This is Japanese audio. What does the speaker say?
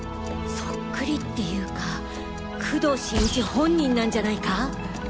そっくりっていうか工藤新一本人なんじゃないか！？